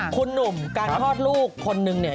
คุณหนุ่มการคลอดลูกคนนึงเนี่ย